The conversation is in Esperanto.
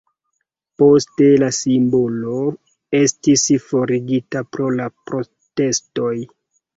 Poste la simbolo estis forigita pro la protestoj.